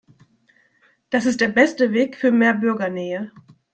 Das ist der beste Weg für mehr Bürgernähe.